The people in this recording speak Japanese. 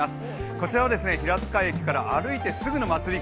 こちらは平塚駅から歩いてすぐの祭り